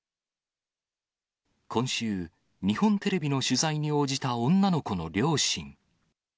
今週、日本テレビの取材に応じた女の子の両親。